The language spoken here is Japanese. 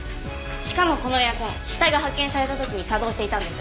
しかもこのエアコン死体が発見された時に作動していたんです。